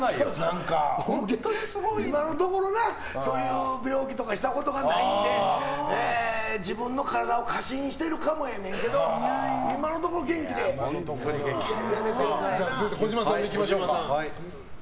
今のところそういう病気とかしたことがないので自分の体を過信してるかもやねんけど続いて児嶋さん行きましょうか。